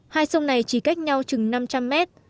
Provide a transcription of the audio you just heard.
hai sông này chỉ cách nhau chừng năm trăm linh mét